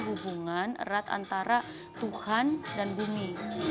hubungan erat antara tuhan dan bumi